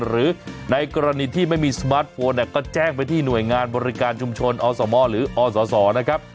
หรือในกรณีที่ไม่มีสมาร์ทโฟนเนี่ยก็แจ้งไปที่หน่วยงานบริการชุมชนอสมหรืออศนะครับ